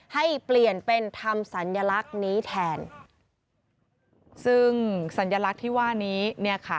ให้เปลี่ยนเป็นทำสัญลักษณ์นี้แทนซึ่งสัญลักษณ์ที่ว่านี้เนี่ยค่ะ